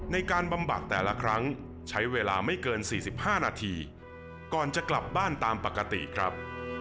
บำบัดแต่ละครั้งใช้เวลาไม่เกิน๔๕นาทีก่อนจะกลับบ้านตามปกติครับ